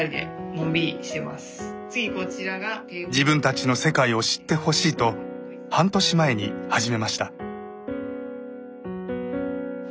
自分たちの世界を知ってほしいと半年前に始めました。